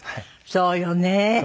そうよね。